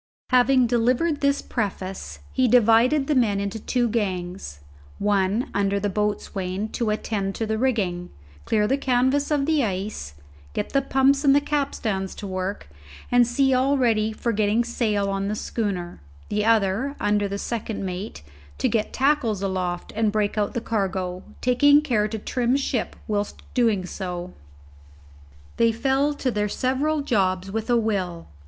Having delivered this preface, he divided the men into two gangs; one, under the boatswain, to attend to the rigging, clear the canvas of the ice, get the pumps and the capstans to work, and see all ready for getting sail on the schooner; the other, under the second mate, to get tackles aloft and break out the cargo, taking care to trim ship whilst so doing. They fell to their several jobs with a will.